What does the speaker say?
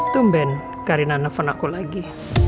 tumben karina nelfon aku lagi